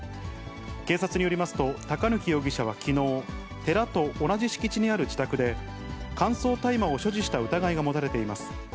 警察によりますと、高貫容疑者はきのう、寺と同じ敷地にある自宅で、乾燥大麻を所持した疑いが持たれています。